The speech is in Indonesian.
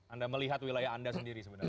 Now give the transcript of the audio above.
anda melihat wilayah anda sendiri sebenarnya